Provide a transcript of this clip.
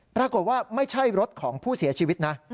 ปรากฏว่าไม่ใช่รถของผู้เสียชีวิตนะ